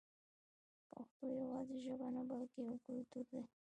پښتو یوازې ژبه نه بلکې یو کلتور دی.